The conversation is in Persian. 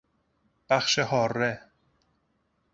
بخش حاره